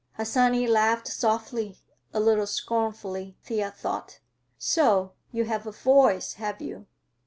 Harsanyi laughed softly—a little scornfully, Thea thought. "So you have a voice, have you?"